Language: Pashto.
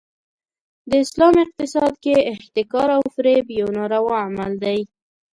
د اسلام اقتصاد کې احتکار او فریب یو ناروا عمل دی.